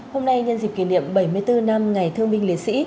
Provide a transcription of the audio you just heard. hôm nay nhân dịp kỷ niệm bảy mươi bốn năm ngày thương binh liệt sĩ